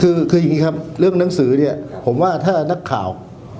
คือคืออย่างนี้ครับเรื่องหนังสือเนี่ยผมว่าถ้านักข่าว